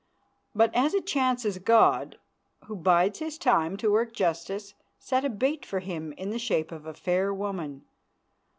But as it chances God, Who bides His time to work justice, set a bait for him in the shape of a fair woman.